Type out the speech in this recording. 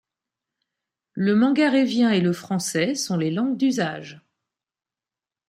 Le mangarévien et le français sont les langues d'usage.